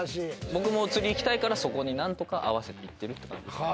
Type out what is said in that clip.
僕も釣り行きたいからそこに何とか合わせて行ってるって感じですね。